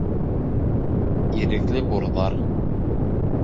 — Ирекле бурҙар!